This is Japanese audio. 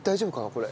これ。